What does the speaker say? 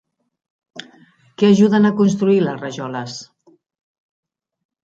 Què ajuden a construir les rajoles?